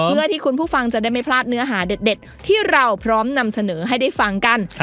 เพื่อที่คุณผู้ฟังจะได้ไม่พลาดเนื้อหาเด็ดที่เราพร้อมนำเสนอให้ได้ฟังกัน